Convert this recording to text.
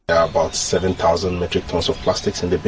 ada sekitar tujuh ribu ton plastik di gunung